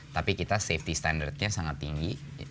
tapi kita safety standardnya sangat tinggi